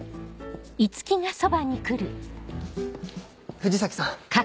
藤崎さん